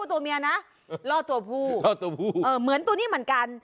โอ้ไม่รู้เหมือนกัน